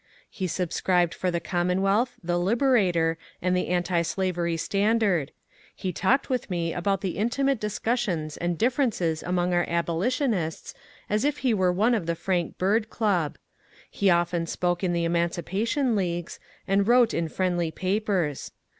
He subscribed for the " Commonwealth," the " Liberator," and the Anti Slavery Standard ;" he talked with me about the intimate discussions and differences among our abolitionists as if he were one of the Frank Bird Club ; he often spoke in the emancipa tion leagues, and wrote in friendly papers.